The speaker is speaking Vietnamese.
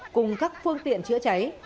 cùng các phương tiện chữa cháy